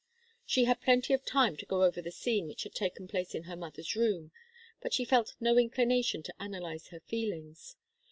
She had plenty of time to go over the scene which had taken place in her mother's room, but she felt no inclination to analyze her feelings.